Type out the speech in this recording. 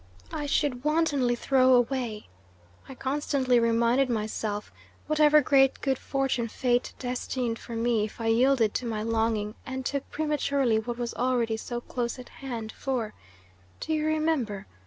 I should wantonly throw away I constantly reminded myself whatever great good fortune Fate destined for me if I yielded to my longing and took prematurely what was already so close at hand; for do you remember?